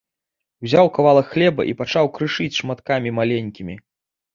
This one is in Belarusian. Узяў кавалак хлеба і пачаў крышыць шматкамі маленькімі.